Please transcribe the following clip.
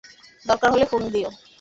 দরকার হলে ফোন দিও।